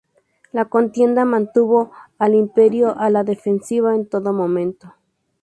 La contienda mantuvo al Imperio a la defensiva en todo momento.